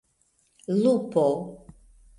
lupo